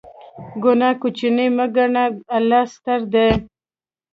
ګناه کوچنۍ مه ګڼئ، الله ستر دی.